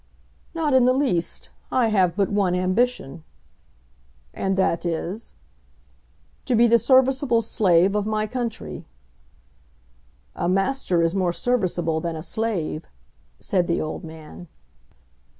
"Not in the least. I have but one ambition." "And that is ?" "To be the serviceable slave of my country." "A master is more serviceable than a slave," said the old man.